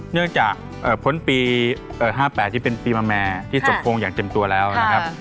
เนื่องจากพ้นปี๕๘ที่เป็นปีมะแม่ที่สมพงษ์อย่างเต็มตัวแล้วนะครับ